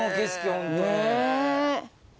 ホントに。